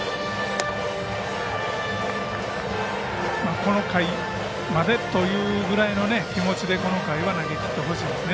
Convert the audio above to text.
この回までというぐらいの気持ちでこの回は投げきってほしいですね。